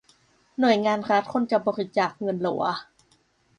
หน่วยงานรัฐ ควรจะบริจาคเงินเหรอวะ ?